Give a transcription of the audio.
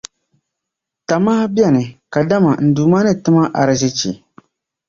Tamaha beni kadama n Duuma ni ti ma arizichi.